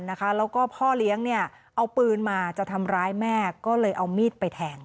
แล้วก็พ่อเลี้ยงเอาปืนมาจะทำร้ายแม่ก็เลยเอามีดไปแทง